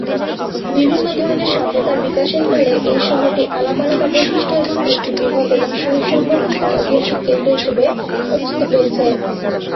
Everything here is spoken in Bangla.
বিভিন্ন ধরনের সভ্যতার বিকাশের ফলে এই শহরটি আলাদা আলাদা বৈশিষ্ট্য এবং একটি বৃহত এবং সু-সংরক্ষিত ঐতিহাসিক কেন্দ্র হিসাবে পরিচিতি পেয়েছে।